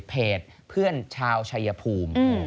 เพจเพื่อนชาวชายภูมิ